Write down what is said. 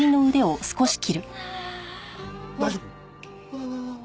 大丈夫？